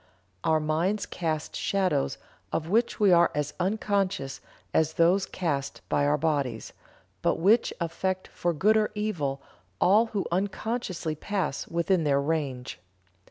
Our minds cast shadows of which we are as unconscious as those cast by our bodies, but which affect for good or evil all who unconsciously pass within their range.